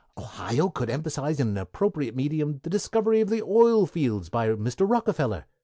Ohio could emphasize in an appropriate medium the Discovery of the Oil Fields by Mr. Rockefeller.